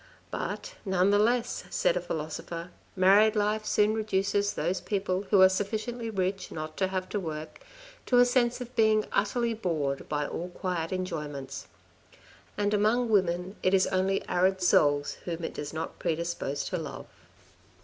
But none the less, said a philosopher, married life soon reduces those people who are sufficiently rich not to have to work, to a sense of being utterly bored by all quiet enjoyments. And among women, it is only arid souls whom it does not pre dispose to love.